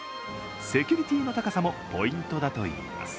セキュリティーの高さもポイントだといいます。